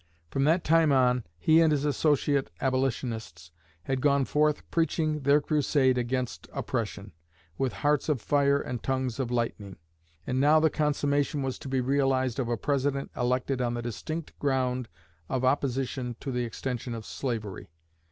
From that time on, he and his associate Abolitionists had gone forth preaching their crusade against oppression, with hearts of fire and tongues of lightning; and now the consummation was to be realized of a President elected on the distinct ground of opposition to the extension of slavery.